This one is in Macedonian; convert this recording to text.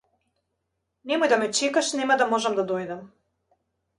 Немој да ме чекаш нема да можам да дојдам.